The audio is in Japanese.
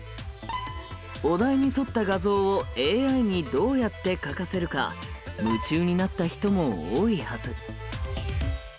お題に沿った画像をＡＩにどうやって描かせるか夢中になった人も多いはず。